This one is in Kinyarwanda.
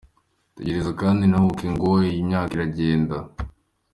Tegereza kandi ntuhubuke ngo aha imyaka iragenda.